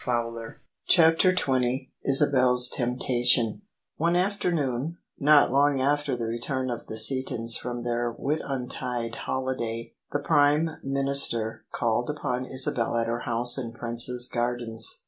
CHAPTER XX Isabel's temptation One afternoon, not long after the return of the Seatons from their Whitsuntide holiday, the Prime Minister called upon Isabel at her house in Prince's Gardens.